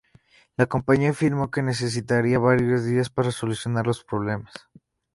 La compañía afirmó que necesitará varios días para solucionar los problemas.